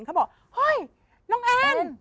เขาบอกเฮ้ยน้องแอน